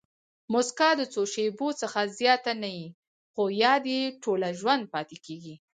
مسکا د څو شېبو څخه زیاته نه يي؛ خو یاد ئې ټوله ژوند پاتېږي.